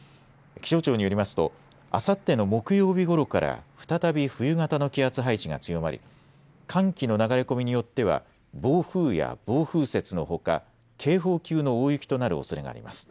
気象庁によりますと、あさっての木曜日ごろから再び冬型の気圧配置が強まり寒気の流れ込みによっては暴風や暴風雪のほか警報級の大雪となるおそれがあります。